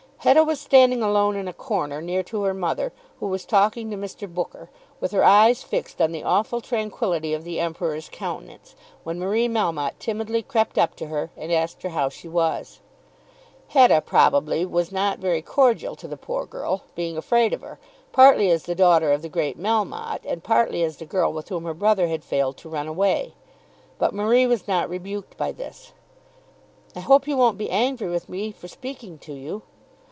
Hetta was standing alone in a corner, near to her mother, who was talking to Mr. Booker, with her eyes fixed on the awful tranquillity of the Emperor's countenance, when Marie Melmotte timidly crept up to her and asked her how she was. Hetta, probably, was not very cordial to the poor girl, being afraid of her, partly as the daughter of the great Melmotte and partly as the girl with whom her brother had failed to run away; but Marie was not rebuked by this. "I hope you won't be angry with me for speaking to you."